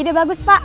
ide bagus pak